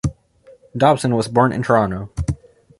Dobson was born in Toronto.